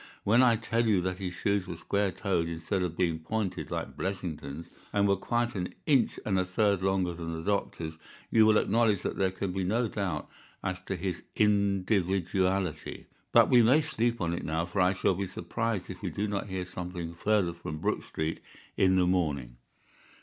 When I tell you that his shoes were square toed instead of being pointed like Blessington's, and were quite an inch and a third longer than the doctor's, you will acknowledge that there can be no doubt as to his individuality. But we may sleep on it now, for I shall be surprised if we do not hear something further from Brook Street in the morning."